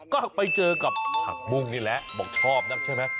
ก็ไปเจอกับผักบุ้งนี่แหละบอกชอบนักใช่ไหม